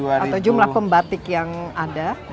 atau jumlah pembatik yang ada